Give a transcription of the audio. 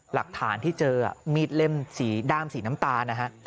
หลักฐานที่เจอมีดเล่มสีด้ามสีน้ำตาลนะฮะ